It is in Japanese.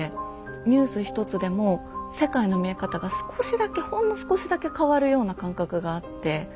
ニュースひとつでも世界の見え方が少しだけほんの少しだけ変わるような感覚があって。